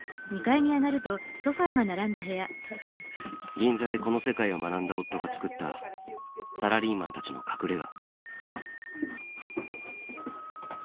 銀座でこの世界を学んだ夫が作ったサラリーマンたちの隠れが。